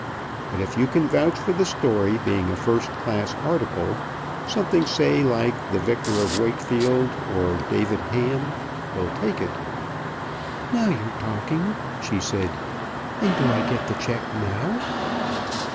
But if you can vouch for the story being a first class article, something, say, like 'The Vicar of Wakefield,' or 'David Hamm,' we'll take it." "Now you're talking," she said. "And do I get the check now?"